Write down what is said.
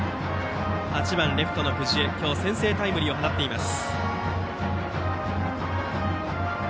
８番レフト、藤江は今日先制タイムリーを放っています。